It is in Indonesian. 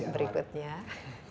terima kasih karya si anwar